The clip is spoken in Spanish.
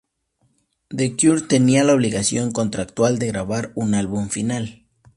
The Cure tenía la obligación contractual de grabar un álbum final.